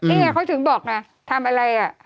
ที่นี่แหละเขาถึงบอกนะทำอะไรอ่ะ